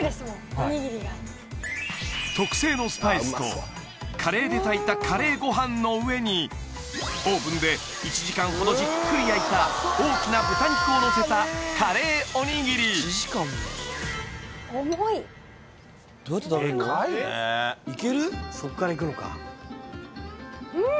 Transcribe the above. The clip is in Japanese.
おにぎりが特製のスパイスとカレーで炊いたカレーご飯の上にオーブンで１時間ほどじっくり焼いた大きな豚肉をのせたカレーおにぎりいただきますうん！